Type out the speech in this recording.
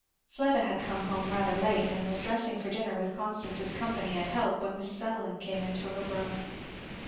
Fleda had come home rather late and was dressing for dinner with Constance's company and help, when Mrs. Evelyn came into her room.